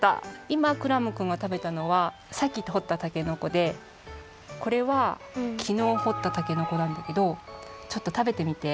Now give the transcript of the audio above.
いまクラムくんがたべたのはさっき掘ったたけのこでこれはきのう掘ったたけのこなんだけどちょっとたべてみて。